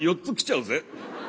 ４つ来ちゃうぜ。